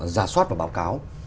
giả soát và báo cáo